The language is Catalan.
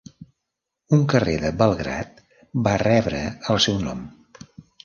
Un carrer de Belgrad va rebre el seu nom.